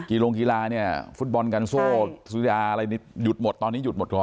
กี่โรงกีฬาเนี่ยฟุตบอลกันโซ่สุดยาอะไรหยุดหมดตอนนี้หยุดหมดก่อน